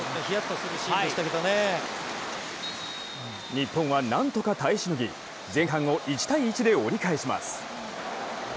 日本はなんとか耐えしのぎ前半を１−１で折り返します。